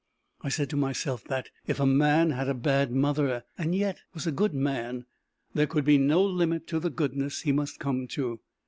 I said to myself that, if a man had a bad mother and yet was a good man, there could be no limit to the goodness he must come to.